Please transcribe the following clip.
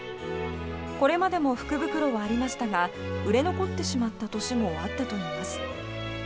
これまでも福袋はありましたが売れ残ってしまった年もあったといいます。